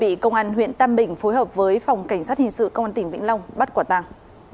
bị công an huyện tam bình phối hợp với phòng cảnh sát hình sự công an tỉnh vĩnh long bắt quả tàng